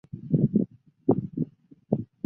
简单来说